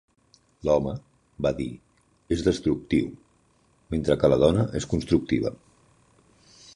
L'home, va dir, és destructiu, mentre que la dona és constructiva.